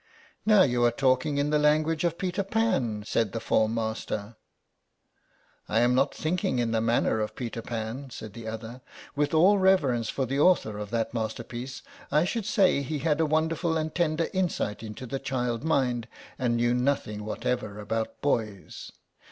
"Now you are talking in the language of Peter Pan," said the form master. "I am not thinking in the manner of Peter Pan," said the other. "With all reverence for the author of that masterpiece I should say he had a wonderful and tender insight into the child mind and knew nothing whatever about boys.